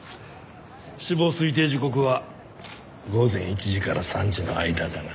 死亡推定時刻は午前１時から３時の間だな。